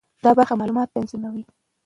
دا برخه معلومات تنظیموي.